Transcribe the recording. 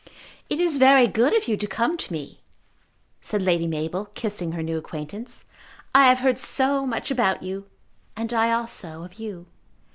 "It is very good of you to come to me," said Lady Mabel, kissing her new acquaintance. "I have heard so much about you." "And I also of you."